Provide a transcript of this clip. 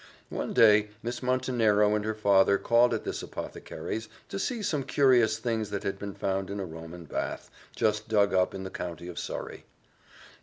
One day Miss Montenero and her father called at this apothecary's, to see some curious things that had been found in a Roman bath, just dug up in the county of Surrey.